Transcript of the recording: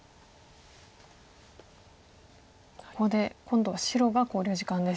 ここで今度は白が考慮時間です。